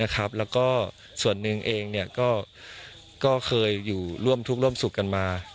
แล้วก็ส่วนหนึ่งเองก็เคยอยู่ร่วมทุกข์ร่วมสุขกันมา